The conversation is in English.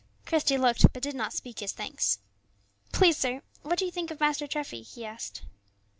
Christie looked, but did not speak his thanks. "Please, sir, what do you think of Master Treffy?" he asked.